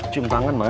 cium tangan mak